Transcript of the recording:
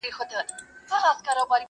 څوک یې وړونه څه خپلوان څه قریبان دي.